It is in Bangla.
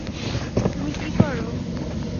তুমি কি করো?